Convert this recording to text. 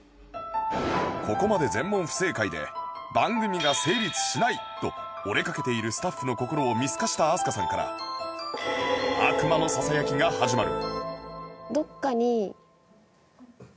ここまで全問不正解で番組が成立しないと折れかけているスタッフの心を見透かした飛鳥さんから悪魔のささやきが始まる